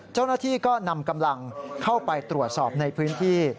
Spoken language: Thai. เจ้าหน้าที่ก็นำกำลังเข้าไปตรวจสอบในพื้นที่